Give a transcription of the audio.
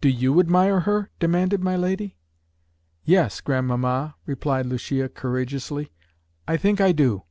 "Do you admire her?" demanded my lady. "Yes, grandmamma," replied Lucia courageously. "I think I do."